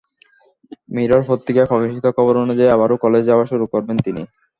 Mirror পত্রিকায় প্রকাশিত খবর অনুযায়ী আবারও কলেজে যাওয়া শুরু করবেন তিনি।